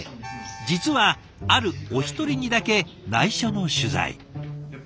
実はあるお一人にだけないしょの取材。